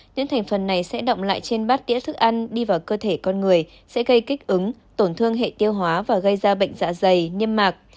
những thành phần này sẽ động lại trên bát tĩa thức ăn đi vào cơ thể con người sẽ gây kích ứng tổn thương hệ tiêu hóa và gây ra bệnh dạ dày niêm mạc